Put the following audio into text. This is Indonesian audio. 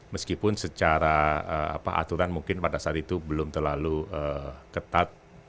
meskipun secara aturan mungkin pada saat itu belum terlalu ketat